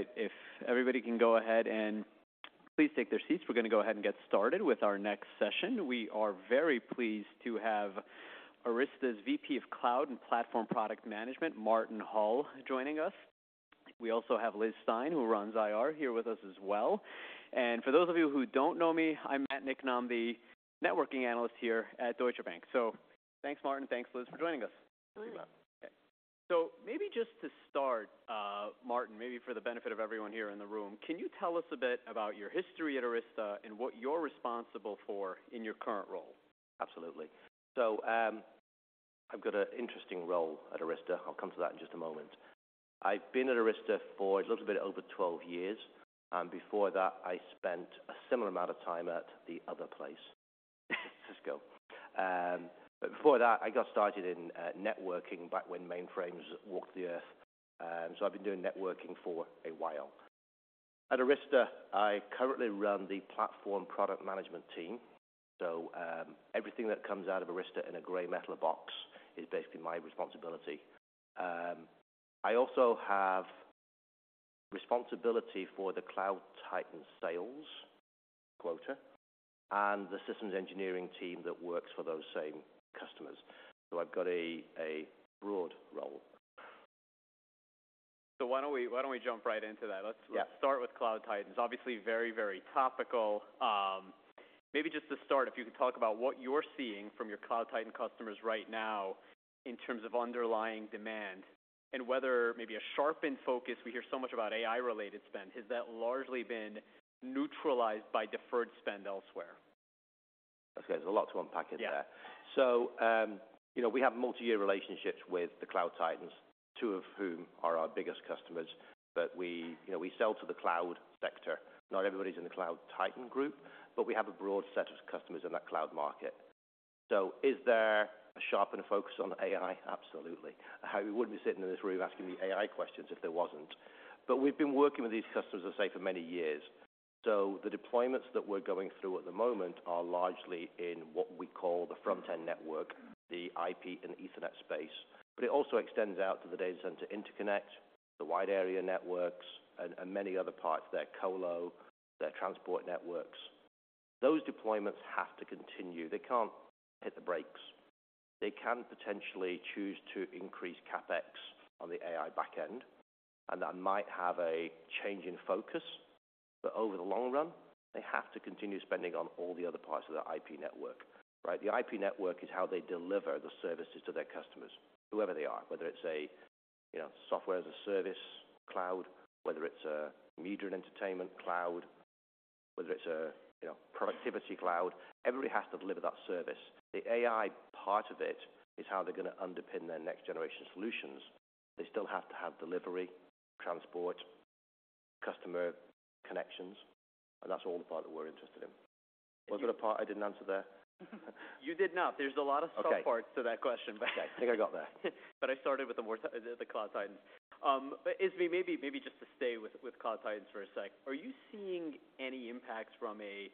All right, if everybody can go ahead and please take their seats, we're going to go ahead and get started with our next session. We are very pleased to have Arista's VP of Cloud and Platform Product Management, Martin Hull, joining us. We also have Liz Stine, who runs IR, here with us as well. And for those of you who don't know me, I'm Matt Niknam, the networking analyst here at Deutsche Bank. So thanks, Martin, thanks, Liz, for joining us. You're welcome. So maybe just to start, Martin, maybe for the benefit of everyone here in the room, can you tell us a bit about your history at Arista and what you're responsible for in your current role? Absolutely. So, I've got an interesting role at Arista. I'll come to that in just a moment. I've been at Arista for a little bit over 12 years, and before that, I spent a similar amount of time at the other place, Cisco. But before that, I got started in networking back when mainframes walked the earth. So I've been doing networking for a while. At Arista, I currently run the platform product management team. So, everything that comes out of Arista in a gray metal box is basically my responsibility. I also have responsibility for the Cloud Titan sales quota and the systems engineering team that works for those same customers. So I've got a broad role. Why don't we, why don't we jump right into that? Yeah. Let's, let's start with Cloud Titans. Obviously very, very topical. Maybe just to start, if you could talk about what you're seeing from your Cloud Titan customers right now in terms of underlying demand and whether maybe a sharpened focus. We hear so much about AI-related spend. Has that largely been neutralized by deferred spend elsewhere? Okay, there's a lot to unpack there. Yeah. So, you know, we have multi-year relationships with the Cloud Titans, two of whom are our biggest customers. But we, you know, we sell to the cloud sector. Not everybody's in the Cloud Titan group, but we have a broad set of customers in that cloud market. So is there a sharpened focus on AI? Absolutely. I mean, we wouldn't be sitting in this room asking me AI questions if there wasn't. But we've been working with these customers, as I say, for many years. So the deployments that we're going through at the moment are largely in what we call the front end network, the IP and Ethernet space, but it also extends out to the data center interconnect, the wide area networks, and many other parts, their colo, their transport networks. Those deployments have to continue. They can't hit the brakes. They can potentially choose to increase CapEx on the AI back end, and that might have a change in focus, but over the long run, they have to continue spending on all the other parts of their IP network, right? The IP network is how they deliver the services to their customers, whoever they are. Whether it's a, you know, software as a service cloud, whether it's a media and entertainment cloud, whether it's a, you know, productivity cloud, everybody has to deliver that service. The AI part of it is how they're going to underpin their next generation solutions. They still have to have delivery, transport, customer connections, and that's all the part that we're interested in. Was there a part I didn't answer there? You did not. There's a lot of subparts- Okay. to that question. Okay, I think I got there. But I started with the Cloud Titans. But maybe just to stay with Cloud Titans for a sec, are you seeing any impacts from a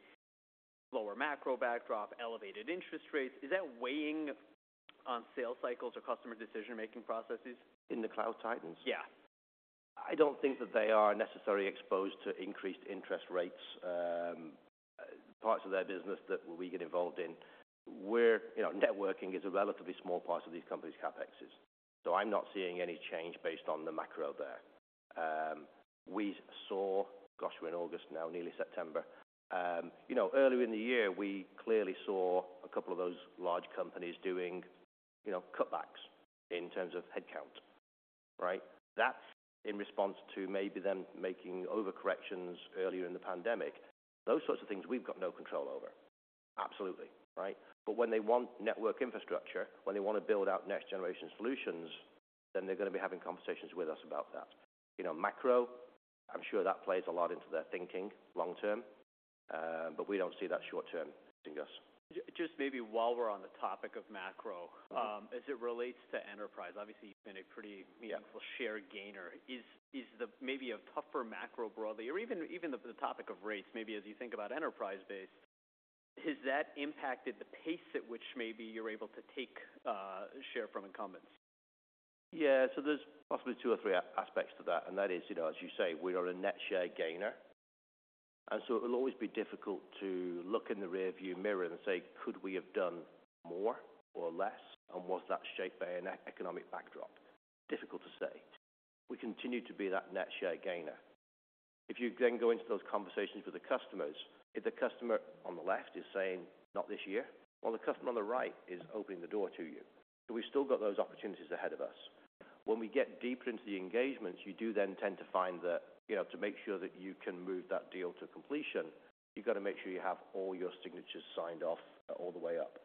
lower macro backdrop, elevated interest rates? Is that weighing on sales cycles or customer decision-making processes? In the Cloud Titans? Yeah. I don't think that they are necessarily exposed to increased interest rates, parts of their business that we get involved in. We're... You know, networking is a relatively small part of these companies' CapExes, so I'm not seeing any change based on the macro there. We saw, gosh, we're in August now, nearly September, you know, earlier in the year, we clearly saw a couple of those large companies doing, you know, cutbacks in terms of headcount, right? That's in response to maybe them making overcorrections earlier in the pandemic. Those sorts of things we've got no control over. Absolutely, right? But when they want network infrastructure, when they want to build out next generation solutions, then they're going to be having conversations with us about that. You know, macro, I'm sure that plays a lot into their thinking long-term, but we don't see that short-term affecting us. Just maybe while we're on the topic of macro- Mm-hmm. as it relates to enterprise, obviously you've been a pretty meaningful- Yeah Share gainer. Is there maybe a tougher macro broadly, or even the topic of rates, maybe as you think about enterprise-based, has that impacted the pace at which maybe you're able to take share from incumbents? Yeah. So there's possibly two or three aspects to that, and that is, you know, as you say, we are a net share gainer, and so it'll always be difficult to look in the rearview mirror and say: Could we have done more or less, and was that shaped by an economic backdrop? Difficult to say. We continue to be that net share gainer. If you then go into those conversations with the customers, if the customer on the left is saying, "Not this year," well, the customer on the right is opening the door to you. So we've still got those opportunities ahead of us. When we get deeper into the engagements, you do then tend to find that, you know, to make sure that you can move that deal to completion, you've got to make sure you have all your signatures signed off all the way up.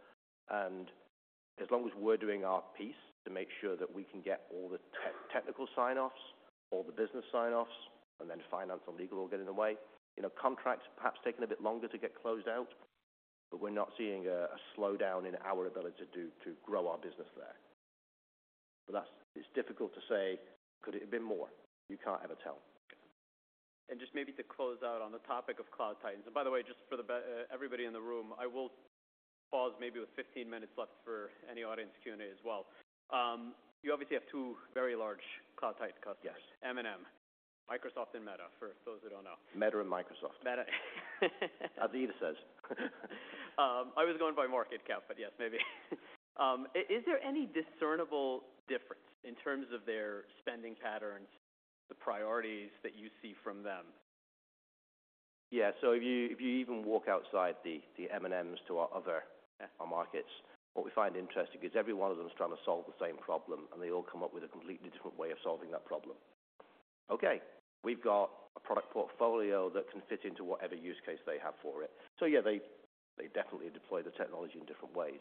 As long as we're doing our piece to make sure that we can get all the technical sign-offs, all the business sign-offs, and then finance and legal will get in the way, you know, contracts perhaps taking a bit longer to get closed out, but we're not seeing a slowdown in our ability to do, to grow our business there. But that's... It's difficult to say, could it have been more? You can't ever tell. And just maybe to close out on the topic of Cloud Titans, and by the way, just for everybody in the room, I will pause maybe with 15 minutes left for any audience Q&A as well. You obviously have two very large Cloud Titan customers. Yes. M&M, Microsoft and Meta, for those who don't know. Meta and Microsoft. Meta. As Ita says. I was going by market cap, but yes, maybe. Is there any discernible difference in terms of their spending patterns, the priorities that you see from them? Yeah. So if you, if you even walk outside the, the M&Ms to our other markets, what we find interesting is every one of them is trying to solve the same problem, and they all come up with a completely different way of solving that problem. Okay, we've got a product portfolio that can fit into whatever use case they have for it. So yeah, they, they definitely deploy the technology in different ways.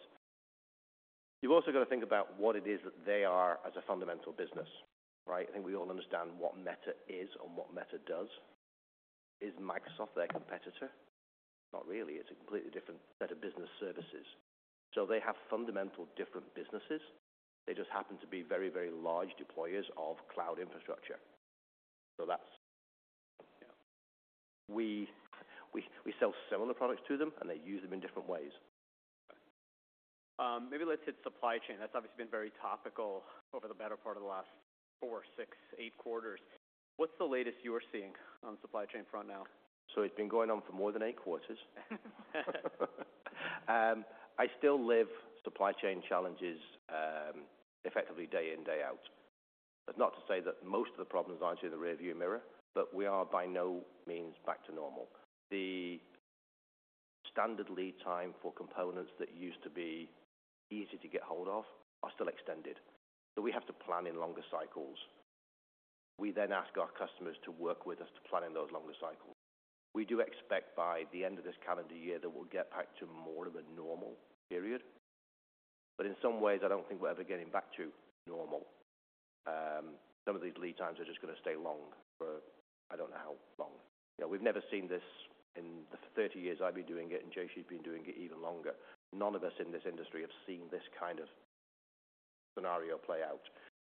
You've also got to think about what it is that they are as a fundamental business, right? I think we all understand what Meta is and what Meta does. Is Microsoft their competitor? Not really. It's a completely different set of business services. So they have fundamental different businesses. They just happen to be very, very large deployers of cloud infrastructure. So that's, yeah. We sell similar products to them, and they use them in different ways. Maybe let's hit supply chain. That's obviously been very topical over the better part of the last four, six, eight quarters. What's the latest you are seeing on the supply chain front now? So it's been going on for more than eight quarters. I still live with supply chain challenges, effectively day in, day out. But not to say that most of the problems aren't in the rearview mirror, but we are by no means back to normal. The standard lead time for components that used to be easy to get hold of are still extended, so we have to plan in longer cycles. We then ask our customers to work with us to plan in those longer cycles. We do expect by the end of this calendar year that we'll get back to more of a normal period, but in some ways I don't think we're ever getting back to normal. Some of these lead times are just going to stay long for I don't know how long. You know, we've never seen this in the 30 years I've been doing it, and Jayshree's been doing it even longer. None of us in this industry have seen this kind of scenario play out.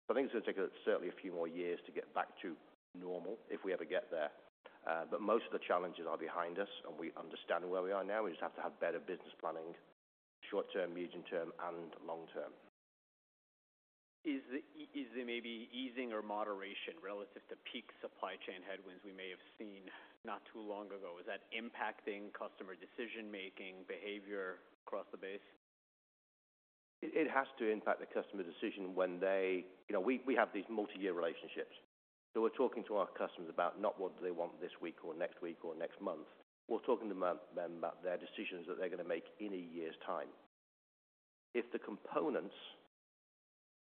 I think it's going to take certainly a few more years to get back to normal, if we ever get there. But most of the challenges are behind us, and we understand where we are now. We just have to have better business planning, short term, medium term, and long term. Is there, is there maybe easing or moderation relative to peak supply chain headwinds we may have seen not too long ago? Is that impacting customer decision-making behavior across the base? It has to impact the customer decision when they... You know, we have these multi-year relationships, so we're talking to our customers about not what they want this week or next week or next month. We're talking to them about their decisions that they're going to make in a year's time. If the components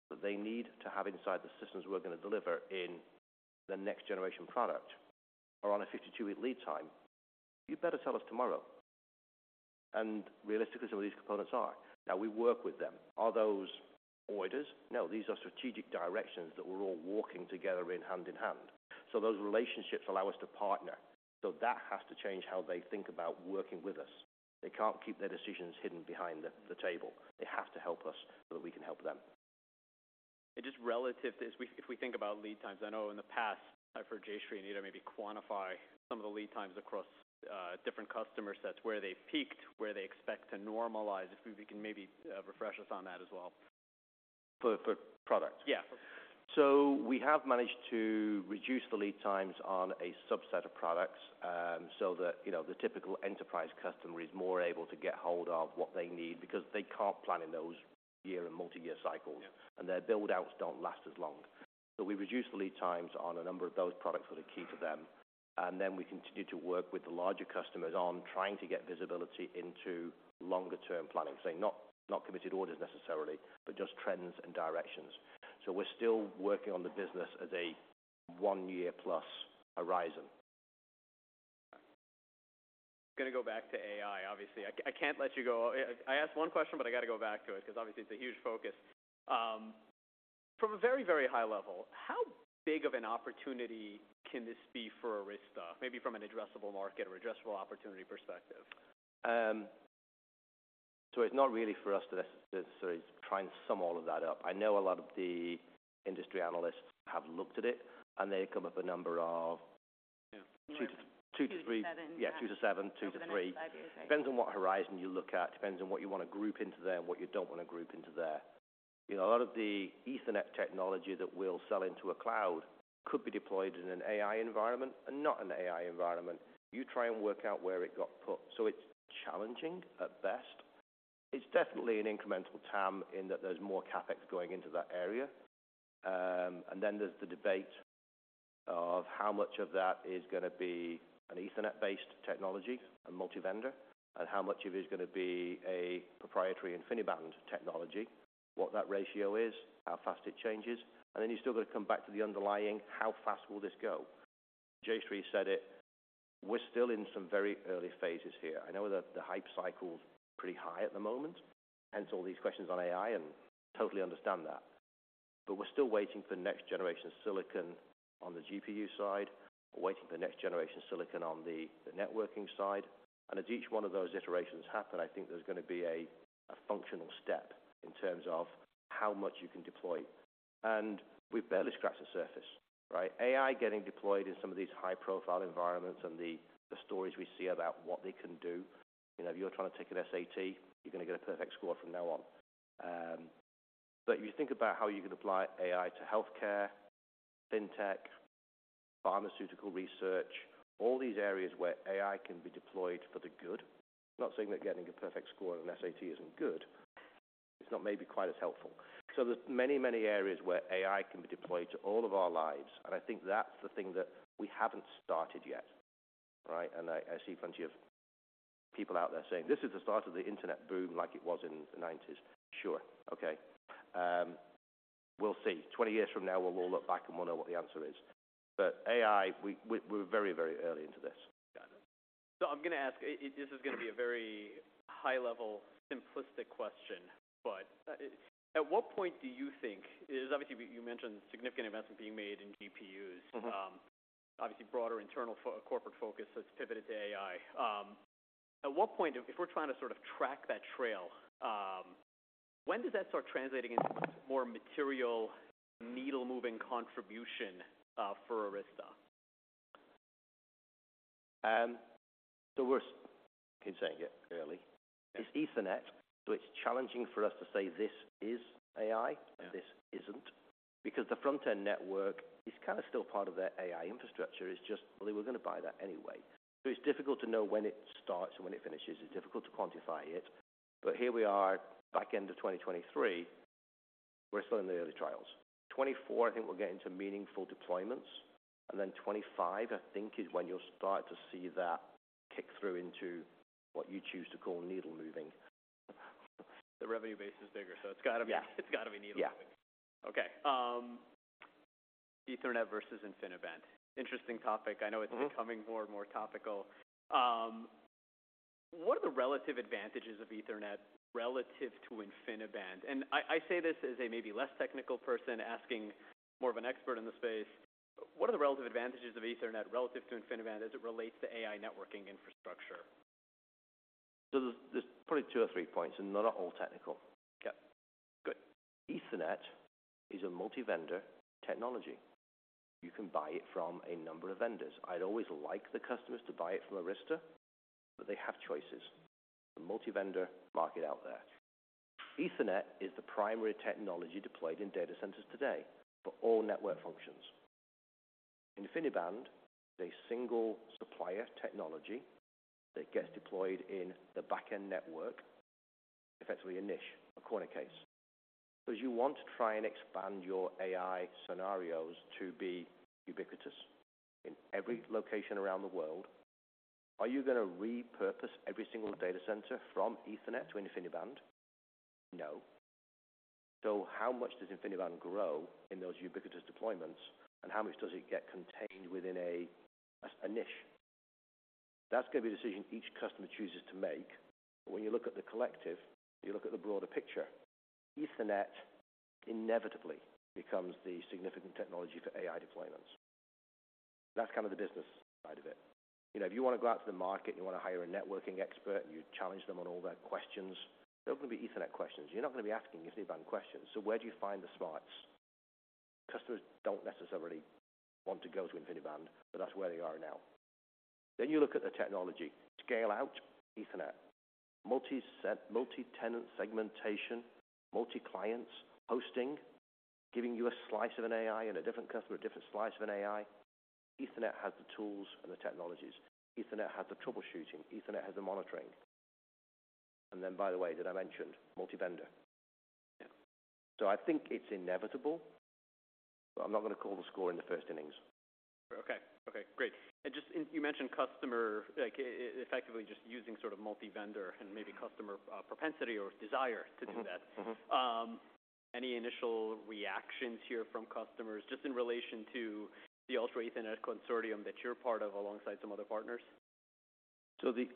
that they need to have inside the systems we're going to deliver in the next generation product are on a 52-week lead time, you better tell us tomorrow. And realistically, some of these components are. Now we work with them. Are those orders? No, these are strategic directions that we're all walking together in hand in hand. So those relationships allow us to partner. So that has to change how they think about working with us. They can't keep their decisions hidden behind the table. They have to help us so that we can help them. Just relative to this, if we, if we think about lead times, I know in the past I've heard Jayshree and Ita maybe quantify some of the lead times across different customer sets, where they peaked, where they expect to normalize. If we can maybe refresh us on that as well. For products? Yeah. We have managed to reduce the lead times on a subset of products, so that, you know, the typical enterprise customer is more able to get hold of what they need because they can't plan in those year and multi-year cycles. Yeah. Their build outs don't last as long. So we reduce the lead times on a number of those products that are key to them, and then we continue to work with the larger customers on trying to get visibility into longer term planning. So not, not committed orders necessarily, but just trends and directions. So we're still working on the business as a one-year-plus horizon. Gonna go back to AI, obviously. I can't let you go. I asked one question, but I got to go back to it because obviously it's a huge focus. From a very, very high level, how big of an opportunity can this be for Arista? Maybe from an addressable market or addressable opportunity perspective. So it's not really for us to necessarily try and sum all of that up. I know a lot of the industry analysts have looked at it, and they come up with a number of- Yeah. Two to- 2 to 7. 2-3. Yeah, 2-7, 2-3. Yeah. Depends on what horizon you look at. Depends on what you want to group into there and what you don't want to group into there. You know, a lot of the Ethernet technology that we'll sell into a cloud could be deployed in an AI environment and not an AI environment. You try and work out where it got put. So it's challenging at best. It's definitely an incremental TAM in that there's more CapEx going into that area. And then there's the debate of how much of that is going to be an Ethernet-based technology, a multi-vendor, and how much of it is going to be a proprietary InfiniBand technology, what that ratio is, how fast it changes, and then you've still got to come back to the underlying, how fast will this go? Jayshree said it. We're still in some very early phases here. I know that the hype cycle's pretty high at the moment, hence all these questions on AI, and totally understand that. But we're still waiting for next-generation silicon on the GPU side. We're waiting for next-generation silicon on the, the networking side. And as each one of those iterations happen, I think there's going to be a, a functional step in terms of how much you can deploy... and we've barely scratched the surface, right? AI getting deployed in some of these high-profile environments and the, the stories we see about what they can do. You know, if you're trying to take an SAT, you're going to get a perfect score from now on. But you think about how you can apply AI to healthcare, fintech, pharmaceutical research, all these areas where AI can be deployed for the good. Not saying that getting a perfect score on an SAT isn't good, it's not maybe quite as helpful. So there's many, many areas where AI can be deployed to all of our lives, and I think that's the thing that we haven't started yet, right? And I see plenty of people out there saying, "This is the start of the internet boom, like it was in the nineties." Sure. Okay. We'll see. 20 years from now, we'll all look back and we'll know what the answer is. But AI, we're very, very early into this. Got it. So I'm going to ask, this is going to be a very high level, simplistic question, but, at what point do you think, obviously, you mentioned significant investments being made in GPUs? Mm-hmm. Obviously broader internal corporate focus that's pivoted to AI. At what point, if we're trying to sort of track that trail, when does that start translating into more material, needle-moving contribution for Arista? So we're keen to say it early. It's Ethernet, so it's challenging for us to say, "This is AI,"- Yeah This isn't," because the front-end network is kind of still part of their AI infrastructure. It's just, well, we're going to buy that anyway. So it's difficult to know when it starts and when it finishes. It's difficult to quantify it, but here we are, back end of 2023, we're still in the early trials. 2024, I think we'll get into meaningful deployments, and then 2025, I think, is when you'll start to see that kick through into what you choose to call needle moving. The revenue base is bigger, so it's gotta be- Yeah. It's gotta be needle moving. Yeah. Okay. Ethernet versus InfiniBand. Interesting topic. Mm-hmm. I know it's becoming more and more topical. What are the relative advantages of Ethernet relative to InfiniBand? And I say this as a maybe less technical person asking more of an expert in the space. What are the relative advantages of Ethernet relative to InfiniBand as it relates to AI networking infrastructure? So there's probably two or three points, and they're not all technical. Okay, good. Ethernet is a multi-vendor technology. You can buy it from a number of vendors. I'd always like the customers to buy it from Arista, but they have choices, a multi-vendor market out there. Ethernet is the primary technology deployed in data centers today for all network functions. InfiniBand is a single supplier technology that gets deployed in the back-end network, effectively a niche, a corner case. As you want to try and expand your AI scenarios to be ubiquitous in every location around the world, are you going to repurpose every single data center from Ethernet to InfiniBand? No. So how much does InfiniBand grow in those ubiquitous deployments, and how much does it get contained within a, a niche? That's going to be a decision each customer chooses to make. When you look at the collective, you look at the broader picture. Ethernet inevitably becomes the significant technology for AI deployments. That's kind of the business side of it. You know, if you want to go out to the market and you want to hire a networking expert, and you challenge them on all their questions, they're all going to be Ethernet questions. You're not going to be asking InfiniBand questions. So where do you find the smarts? Customers don't necessarily want to go to InfiniBand, but that's where they are now. Then you look at the technology. Scale out, Ethernet, multi set, multi-tenant segmentation, multi-clients, hosting, giving you a slice of an AI and a different customer, a different slice of an AI. Ethernet has the tools and the technologies. Ethernet has the troubleshooting, Ethernet has the monitoring. And then, by the way, did I mention multi-vendor? Yeah. I think it's inevitable, but I'm not going to call the score in the first innings. Okay. Okay, great. And just, and you mentioned customer, like, effectively just using sort of multi-vendor and maybe customer, propensity or desire to do that. Mm-hmm. Mm-hmm. Any initial reactions here from customers just in relation to the Ultra Ethernet Consortium that you're part of alongside some other partners? So the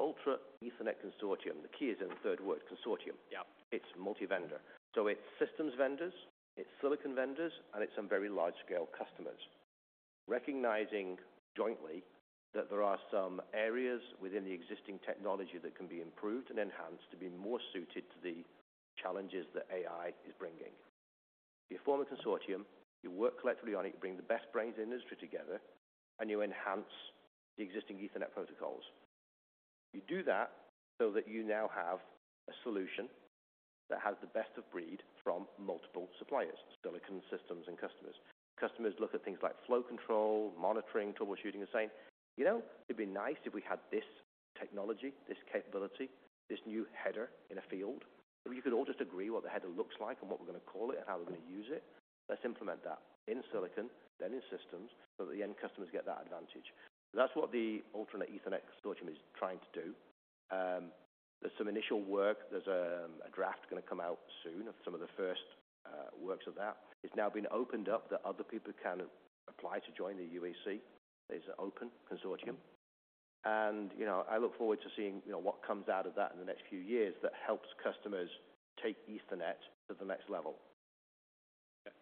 Ultra Ethernet Consortium, the key is in the third word, consortium. Yeah. It's multi-vendor. So it's systems vendors, it's silicon vendors, and it's some very large-scale customers. Recognizing jointly that there are some areas within the existing technology that can be improved and enhanced to be more suited to the challenges that AI is bringing. You form a consortium, you work collectively on it, you bring the best brains in the industry together, and you enhance the existing Ethernet protocols. You do that so that you now have a solution that has the best of breed from multiple suppliers, silicon systems and customers. Customers look at things like flow control, monitoring, troubleshooting, and saying, "You know, it'd be nice if we had this technology, this capability, this new header in a field. If we could all just agree what the header looks like and what we're going to call it and how we're going to use it, let's implement that in silicon, then in systems, so the end customers get that advantage." That's what the Ultra Ethernet Consortium is trying to do. There's some initial work. There's a draft going to come out soon of some of the first works of that. It's now been opened up that other people can apply to join the UEC. It's an open consortium, and, you know, I look forward to seeing, you know, what comes out of that in the next few years that helps customers take Ethernet to the next level. Yeah,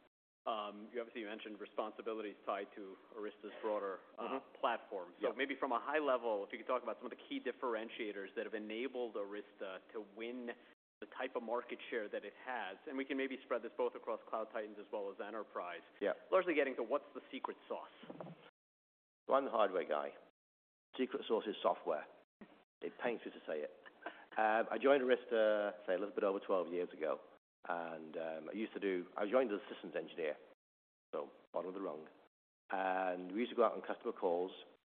you obviously, you mentioned responsibilities tied to Arista's broader- Mm-hmm. -uh, platform. Yeah. So maybe from a high level, if you could talk about some of the key differentiators that have enabled Arista to win the type of market share that it has, and we can maybe spread this both across Cloud Titans as well as enterprise? Yeah. Largely getting to what's the secret sauce? Well, I'm the hardware guy. Secret sauce is software. It pains me to say it. I joined Arista, say, a little bit over 12 years ago, and I joined as a systems engineer, so bottom of the rung. We used to go out on customer calls,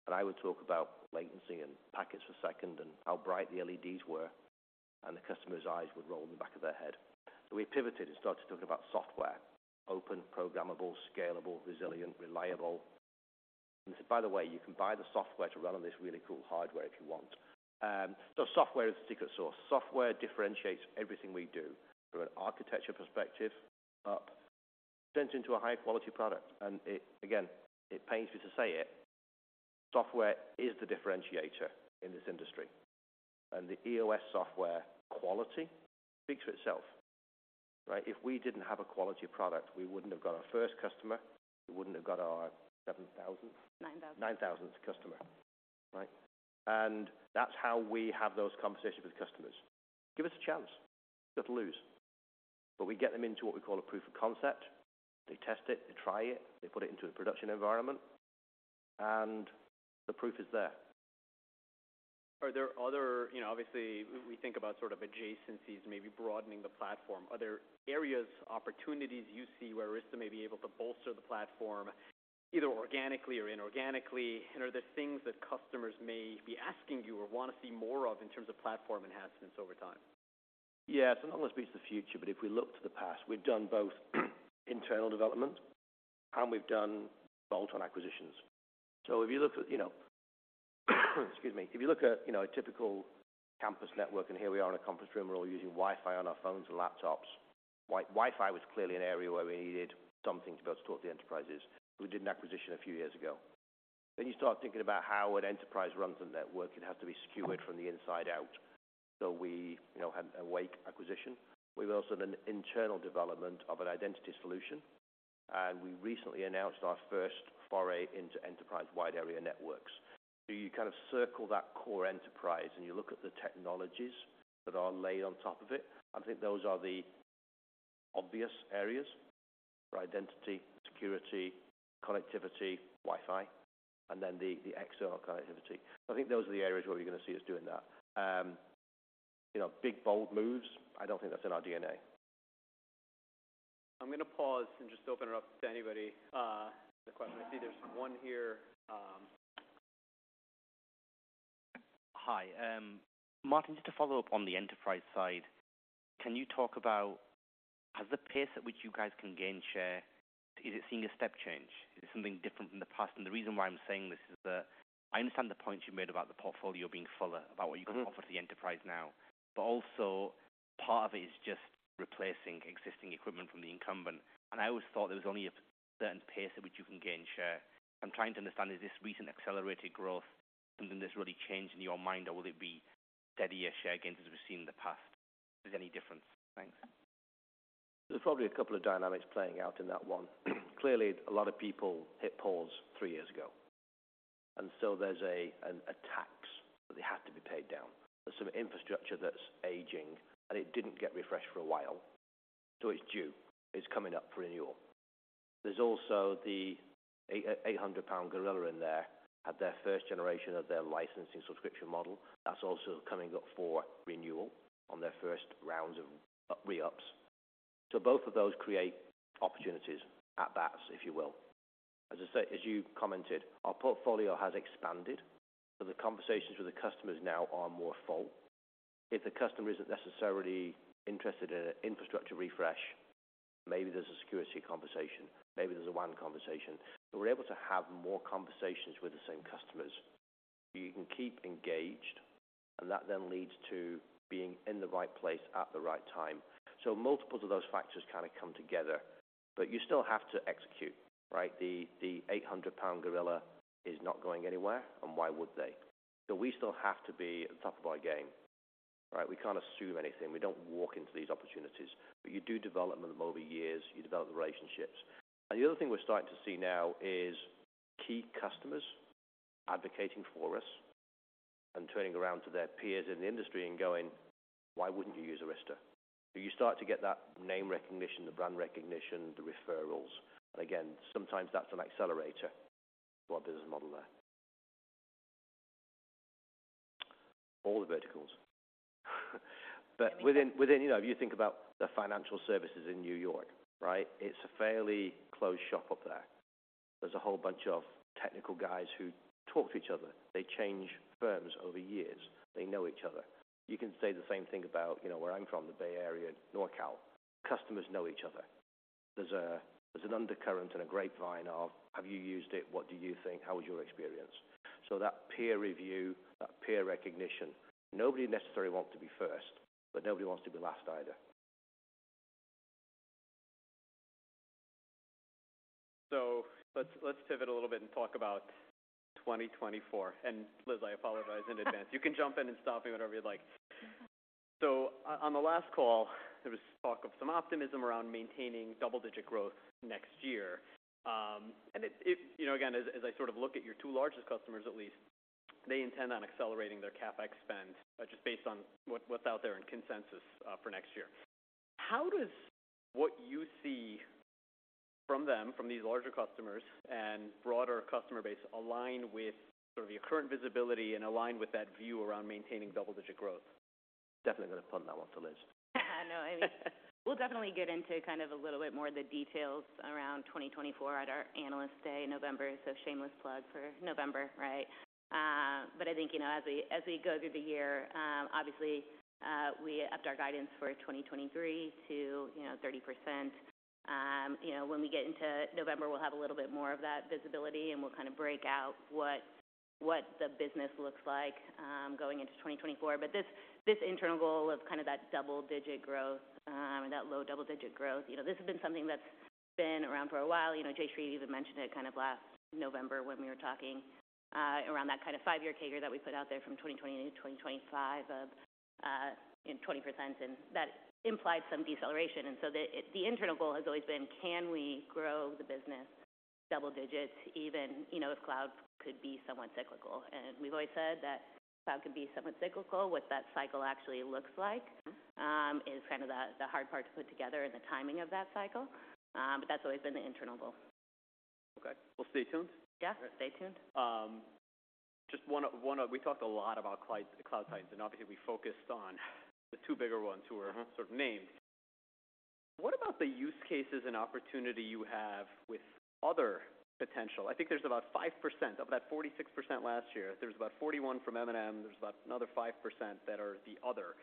and I would talk about latency and packets per second and how bright the LEDs were, and the customer's eyes would roll in the back of their head. So we pivoted and started to talk about software: open, programmable, scalable, resilient, reliable. And said, "By the way, you can buy the software to run on this really cool hardware if you want." So software is the secret sauce. Software differentiates everything we do from an architecture perspective up, extends into a high-quality product. It, again, it pains me to say it, software is the differentiator in this industry, and the EOS software quality speaks for itself, right? If we didn't have a quality product, we wouldn't have got our first customer, we wouldn't have got our 7,000? 9,000. 9,000th customer, right. That's how we have those conversations with customers. "Give us a chance. You've got to lose." But we get them into what we call a proof of concept. They test it, they try it, they put it into a production environment, and the proof is there. Are there other... You know, obviously, we think about sort of adjacencies, maybe broadening the platform. Are there areas, opportunities you see where Arista may be able to bolster the platform, either organically or inorganically? And are there things that customers may be asking you or want to see more of in terms of platform enhancements over time? Yeah. So let's not speak to the future, but if we look to the past, we've done both internal development and we've done bolt-on acquisitions. So if you look at, you know, excuse me, if you look at, you know, a typical campus network, and here we are in a conference room, we're all using Wi-Fi on our phones and laptops. Wi-Fi was clearly an area where we needed something to be able to talk to the enterprises. We did an acquisition a few years ago. Then you start thinking about how an enterprise runs a network. It has to be secured from the inside out. So we, you know, had an Awake acquisition. We've also done an internal development of an identity solution, and we recently announced our first foray into enterprise-wide area networks. So you kind of circle that core enterprise, and you look at the technologies that are laid on top of it. I think those are the obvious areas for identity, security, connectivity, Wi-Fi, and then the external connectivity. I think those are the areas where we're going to see us doing that. You know, big, bold moves, I don't think that's in our DNA. I'm going to pause and just open it up to anybody with a question. I see there's one here. Hi, Martin, just to follow up on the enterprise side, can you talk about has the pace at which you guys can gain share, is it seeing a step change? Is it something different from the past? And the reason why I'm saying this is that I understand the point you made about the portfolio being fuller, about what you- Mm-hmm. Can offer to the enterprise now, but also part of it is just replacing existing equipment from the incumbent. I always thought there was only a certain pace at which you can gain share. I'm trying to understand, is this recent accelerated growth, something that's really changed in your mind, or will it be steadier share gains as we've seen in the past? If there's any difference. Thanks. There's probably a couple of dynamics playing out in that one. Clearly, a lot of people hit pause 3 years ago, and so there's a, an attacks, that they had to be paid down. There's some infrastructure that's aging, and it didn't get refreshed for a while, so it's due. It's coming up for renewal. There's also the 800-pound gorilla in there, had their first generation of their licensing subscription model. That's also coming up for renewal on their first rounds of re-ups. Both of those create opportunities, at bats, if you will. As I say, as you commented, our portfolio has expanded, so the conversations with the customers now are more full. If the customer isn't necessarily interested in an infrastructure refresh, maybe there's a security conversation, maybe there's a WAN conversation. We're able to have more conversations with the same customers. You can keep engaged, and that then leads to being in the right place at the right time. So multiples of those factors kind of come together, but you still have to execute, right? The 800-pound gorilla is not going anywhere, and why would they? So we still have to be at the top of our game, right? We can't assume anything. We don't walk into these opportunities. But you do develop them over years, you develop the relationships. And the other thing we're starting to see now is key customers advocating for us and turning around to their peers in the industry and going, "Why wouldn't you use Arista?" So you start to get that name recognition, the brand recognition, the referrals, and again, sometimes that's an accelerator to our business model there. All the verticals. But within, you know, if you think about the financial services in New York, right, it's a fairly closed shop up there. There's a whole bunch of technical guys who talk to each other. They change firms over years. They know each other. You can say the same thing about, you know, where I'm from, the Bay Area, NorCal. Customers know each other. There's an undercurrent and a grapevine of, "Have you used it? What do you think? How was your experience?" So that peer review, that peer recognition, nobody necessarily wants to be first, but nobody wants to be last either.... So let's pivot a little bit and talk about 2024. And Liz, I apologize in advance. You can jump in and stop me whenever you'd like. So on the last call, there was talk of some optimism around maintaining double-digit growth next year. And it, you know, again, as I sort of look at your two largest customers at least, they intend on accelerating their CapEx spend, just based on what's out there in consensus, for next year. How does what you see from them, from these larger customers and broader customer base, align with sort of your current visibility and align with that view around maintaining double-digit growth? Definitely going to punt that one to Liz. No, I mean, we'll definitely get into kind of a little bit more of the details around 2024 at our Analyst Day in November. So shameless plug for November, right? But I think, you know, as we go through the year, obviously, we upped our guidance for 2023 to, you know, 30%. You know, when we get into November, we'll have a little bit more of that visibility, and we'll kind of break out what the business looks like, going into 2024. But this internal goal of kind of that double-digit growth, that low double-digit growth, you know, this has been something that's been around for a while. You know, Jayshree even mentioned it kind of last November when we were talking around that kind of five-year CAGR that we put out there from 2020 to 2025 of, you know, 20%, and that implied some deceleration. And so the internal goal has always been: Can we grow the business double digits, even, you know, if cloud could be somewhat cyclical? And we've always said that cloud could be somewhat cyclical. What that cycle actually looks like is kind of the hard part to put together and the timing of that cycle, but that's always been the internal goal. Okay. We'll stay tuned. Yeah, stay tuned. Just one of— We talked a lot about cloud science, and obviously, we focused on the two bigger ones who were sort of named. What about the use cases and opportunity you have with other potential? I think there's about 5% of that 46% last year; there's about 41 from M&M. There's about another 5% that are the other.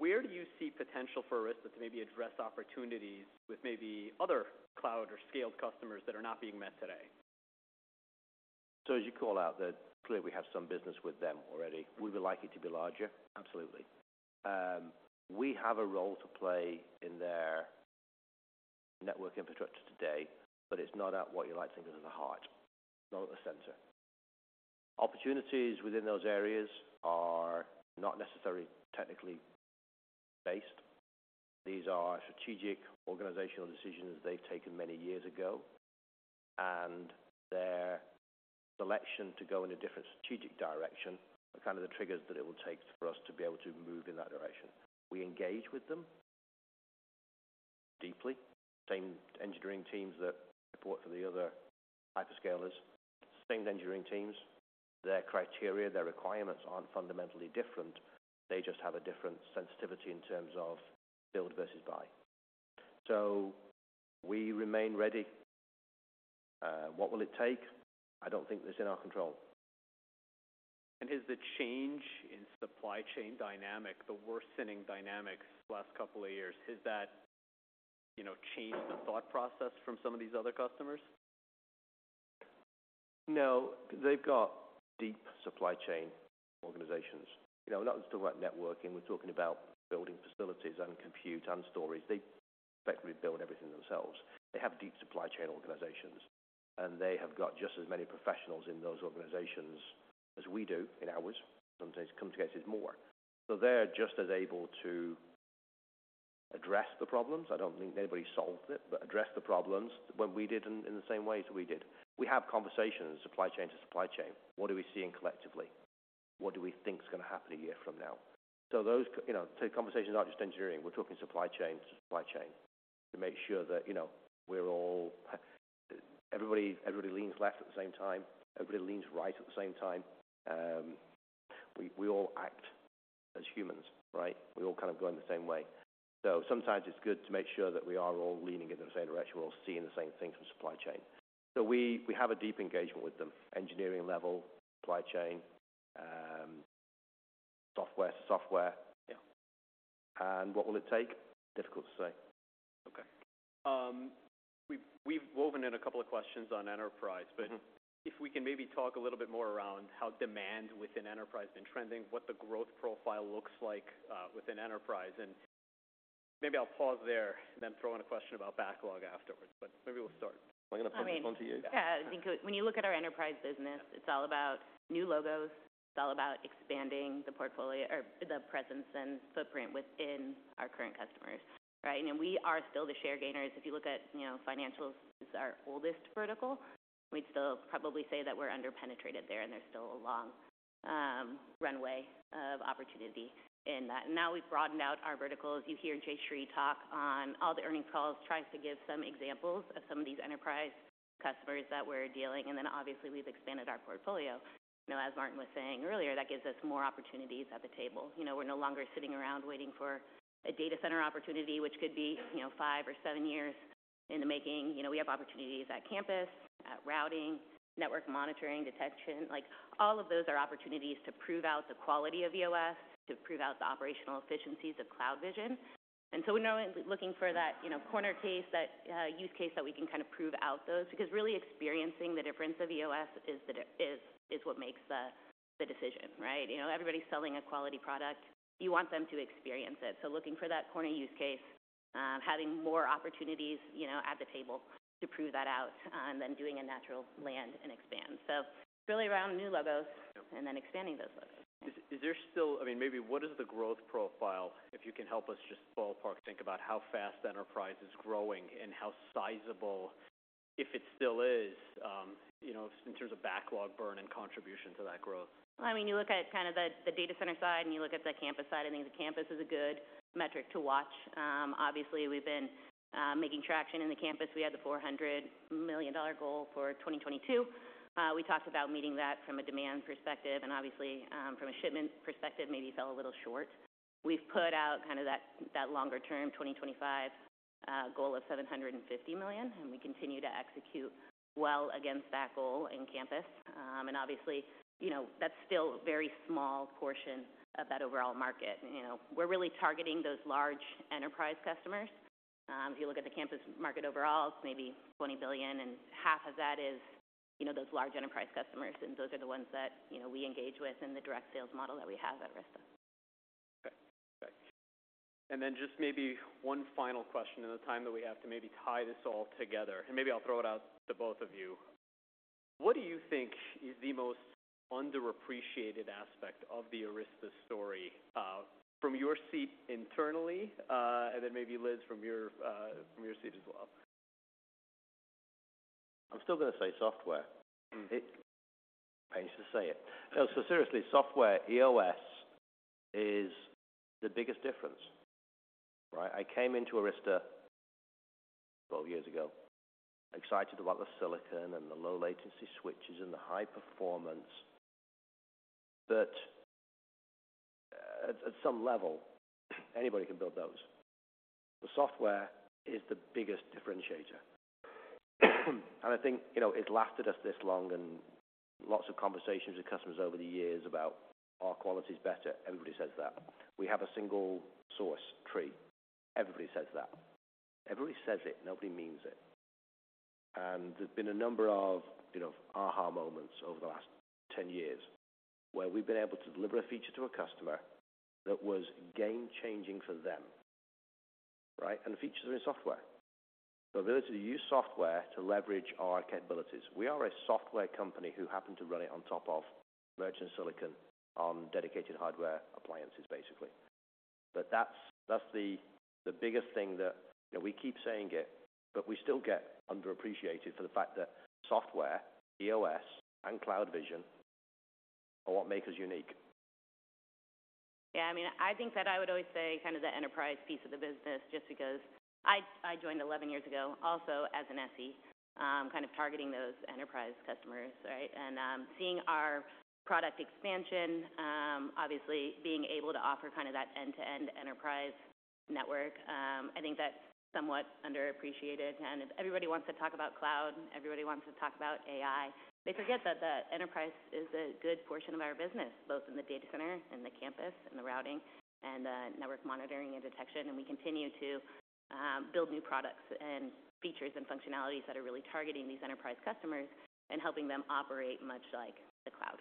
Where do you see potential for Arista to maybe address opportunities with maybe other cloud or scaled customers that are not being met today? So as you call out, that clearly we have some business with them already. Would we like it to be larger? Absolutely. We have a role to play in their network infrastructure today, but it's not at what you like to think of as the heart, not at the center. Opportunities within those areas are not necessarily technically based. These are strategic organizational decisions they've taken many years ago, and their selection to go in a different strategic direction are kind of the triggers that it will take for us to be able to move in that direction. We engage with them deeply. Same engineering teams that report for the other hyperscalers, same engineering teams. Their criteria, their requirements aren't fundamentally different. They just have a different sensitivity in terms of build versus buy. So we remain ready. What will it take? I don't think that's in our control. Has the change in supply chain dynamic, the worsening dynamics the last couple of years, has that, you know, changed the thought process from some of these other customers? No, they've got deep supply chain organizations. You know, we're not just talking about networking, we're talking about building facilities and compute and storage. They effectively build everything themselves. They have deep supply chain organizations, and they have got just as many professionals in those organizations as we do in ours. Sometimes come together as more. So they're just as able to address the problems. I don't think anybody solved it, but address the problems when we did in, in the same way as we did. We have conversations, supply chain to supply chain. What are we seeing collectively? What do we think is going to happen a year from now? So those, you know, conversations are not just engineering. We're talking supply chains to supply chain to make sure that, you know, we're all, everybody, everybody leans left at the same time, everybody leans right at the same time. We all act as humans, right? We all kind of go in the same way. So sometimes it's good to make sure that we are all leaning in the same direction, we're all seeing the same thing from supply chain. So we have a deep engagement with them, engineering level, supply chain, software to software. Yeah. What will it take? Difficult to say. Okay. We've woven in a couple of questions on enterprise- Mm-hmm. If we can maybe talk a little bit more around how demand within enterprise has been trending, what the growth profile looks like, within enterprise. Maybe I'll pause there and then throw in a question about backlog afterwards, but maybe we'll start. I'm going to put this one to you. Yeah. I think when you look at our enterprise business, it's all about new logos. It's all about expanding the portfolio or the presence and footprint within our current customers, right? You know, we are still the share gainers. If you look at, you know, financials as our oldest vertical, we'd still probably say that we're under-penetrated there, and there's still a long runway of opportunity in that. Now we've broadened out our verticals. You hear Jayshree talk on all the earnings calls, trying to give some examples of some of these enterprise customers that we're dealing, and then obviously, we've expanded our portfolio. You know, as Martin was saying earlier, that gives us more opportunities at the table. You know, we're no longer sitting around waiting for a data center opportunity, which could be, you know, 5 or 7 years in the making. You know, we have opportunities at campus, at routing, network monitoring, detection. Like, all of those are opportunities to prove out the quality of EOS, to prove out the operational efficiencies of CloudVision. And so we're now looking for that, you know, corner case, that use case that we can kind of prove out those, because really experiencing the difference of EOS is what makes the decision, right? You know, everybody's selling a quality product. You want them to experience it. So looking for that corner use case. Having more opportunities, you know, at the table to prove that out than doing a natural land and expand. So it's really around new logos and then expanding those logos. Is there still—I mean, maybe what is the growth profile, if you can help us just ballpark think about how fast enterprise is growing and how sizable, if it still is, you know, in terms of backlog burn and contribution to that growth? I mean, you look at kind of the data center side, and you look at the campus side. I think the campus is a good metric to watch. Obviously, we've been making traction in the campus. We had the $400 million goal for 2022. We talked about meeting that from a demand perspective and obviously, from a shipment perspective, maybe fell a little short. We've put out kind of that longer term, 2025, goal of $750 million, and we continue to execute well against that goal in campus. And obviously, you know, that's still a very small portion of that overall market. You know, we're really targeting those large enterprise customers. If you look at the campus market overall, it's maybe $20 billion, and half of that is $10 billion, you know, those large enterprise customers, and those are the ones that, you know, we engage with in the direct sales model that we have at Arista. Okay. Okay. And then just maybe one final question in the time that we have to maybe tie this all together, and maybe I'll throw it out to both of you. What do you think is the most underappreciated aspect of the Arista story, from your seat internally, and then maybe, Liz, from your, from your seat as well? I'm still going to say software. Mm-hmm. I used to say it. No, so seriously, software, EOS, is the biggest difference, right? I came into Arista 12 years ago, excited about the silicon and the low latency switches and the high performance. But at some level, anybody can build those. The software is the biggest differentiator. And I think, you know, it lasted us this long and lots of conversations with customers over the years about our quality is better. Everybody says that. We have a single source tree. Everybody says that. Everybody says it, nobody means it. And there's been a number of, you know, aha moments over the last 10 years, where we've been able to deliver a feature to a customer that was game-changing for them, right? And the features are in software. The ability to use software to leverage our capabilities. We are a software company who happened to run it on top of merchant silicon on dedicated hardware appliances, basically. But that's the biggest thing that, you know, we keep saying it, but we still get underappreciated for the fact that software, EOS, and CloudVision are what make us unique. Yeah, I mean, I think that I would always say kind of the enterprise piece of the business, just because I joined 11 years ago, also as an SE, kind of targeting those enterprise customers, right? And seeing our product expansion, obviously, being able to offer kind of that end-to-end enterprise network, I think that's somewhat underappreciated. And if everybody wants to talk about cloud, everybody wants to talk about AI, they forget that the enterprise is a good portion of our business, both in the data center and the campus, and the routing, and the network monitoring and detection. And we continue to build new products and features and functionalities that are really targeting these enterprise customers and helping them operate much like the cloud.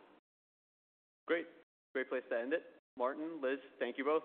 Great. Great place to end it. Martin, Liz, thank you both.